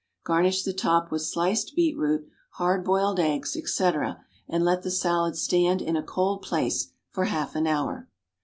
Garnish the top with sliced beetroot, hard boiled eggs, &c., and let the salad stand in a cold place for half an hour.